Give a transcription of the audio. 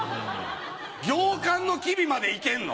行間の機微まで行けんの？